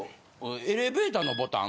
エレベーターのボタン。